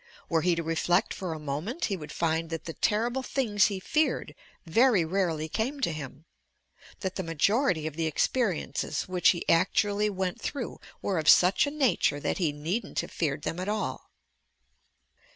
Were he to reflect for a moment, he woul^J find that the terrible things he feared very rarely came to him ; that the majority of the experiences which he actu ally went through were of such a nature that he needn't have feared them at all.